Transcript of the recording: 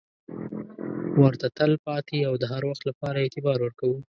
ورته تل پاتې او د هروخت لپاره اعتبار ورکوو.